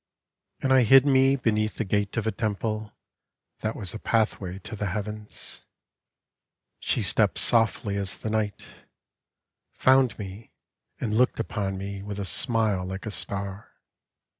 And I hid me beneath the gate of a temple. That was a pathway to the heavens. She stepped softly as the night, Found me and looked upon me with a smile like a star.